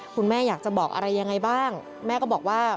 คุณแม่อยากจะบอกอะไรยังไงบ้างแม่ก็บอกว่า